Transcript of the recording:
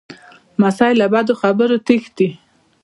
لمسی له بدو خبرو تښتي.